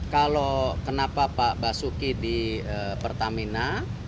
kalau kenapa pak basuki di pertamina